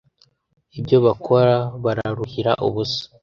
ibyo bakora bararuhira ubusa;